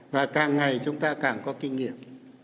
và càng ngày chúng ta càng có kinh nghiệm